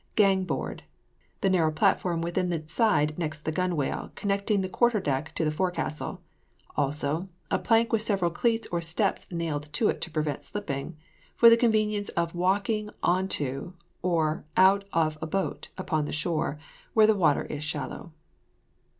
GANG BOARD. The narrow platform within the side next the gunwale, connecting the quarter deck to the forecastle. Also, a plank with several cleats or steps nailed to it to prevent slipping, for the convenience of walking into or out of a boat upon the shore, where the water is shallow.